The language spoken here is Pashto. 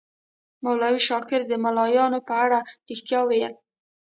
مولوي شاکر د ملایانو په اړه ریښتیا ویل.